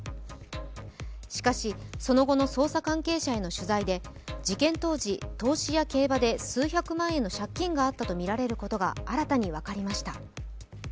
しかし、その後の捜査関係者への取材で事件当時、投資や競馬で数百万円の借金があったとみられることが新たに分かりました。